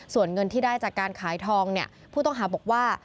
ส่วนเงินที่ได้จากการขายทองเนี่ยผู้ต้องหาบอกว่า